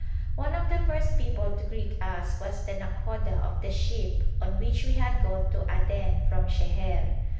One of the first people to greet us was the nàkhoda of the ship on which we had gone to Aden from Sheher.